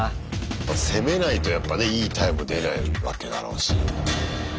まあ攻めないとやっぱねいいタイム出ないわけだろうし。